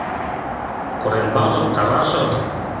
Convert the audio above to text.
Корембалов, Карашов.